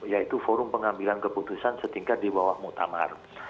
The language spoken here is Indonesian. yaitu forum pengambilan keputusan setingkat di bawah muktamar